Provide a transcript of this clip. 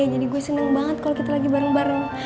jadi gue seneng banget kalo kita lagi bareng bareng